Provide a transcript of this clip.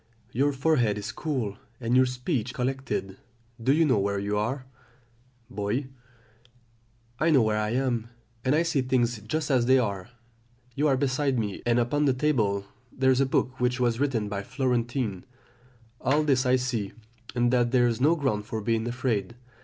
Your forehead is cool, and your speech collected. Do you know where you are? "Boy. I know where I am, and I see things just as they are; you are beside me, and upon the table there is a book which was written by a Florentine. All this I see, and that there is no ground for being afraid.